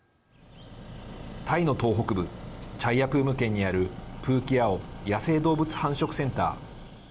タイの東北部チャイヤプーム県にあるプーキアオ野生動物繁殖センター。